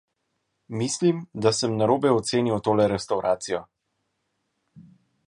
Mislim, da sem narobe ocenil tole restavracijo.